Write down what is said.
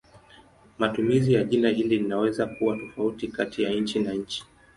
Matumizi ya jina hili linaweza kuwa tofauti kati ya nchi na nchi.